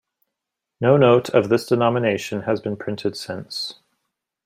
No note of this denomination has been printed since.